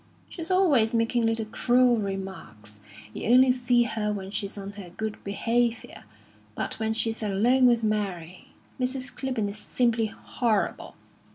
She's always making little cruel remarks. You only see her when she's on her good behaviour; but when she's alone with Mary, Mrs. Clibborn is simply horrible.